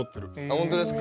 本当ですか？